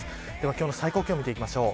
今日の最高気温を見ていきます。